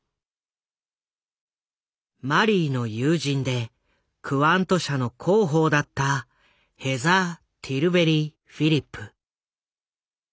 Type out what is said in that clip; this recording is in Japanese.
マリーの友人でクワント社の広報だったヘザー・ティルベリー・フィリップ。